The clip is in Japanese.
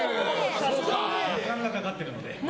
お金がかかっているので。